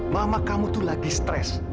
mama kamu itu lagi stres